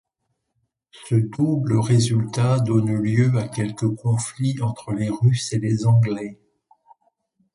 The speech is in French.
Ce double résultat donna lieu à quelques conflits entre les Russes et les Anglais.